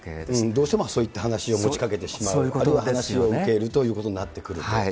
どうしてもそういった話を持ちかけてしまう、あるいは話を受けるということになってくると。